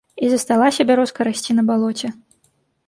І засталася бярозка расці на балоце.